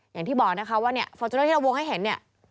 อย่างที่บอกนะคะว่าฟอร์โจนเนอร์ที่เราวงให้เห็น